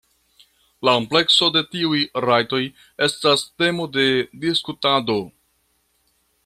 La amplekso de tiuj rajtoj estas temo de diskutado.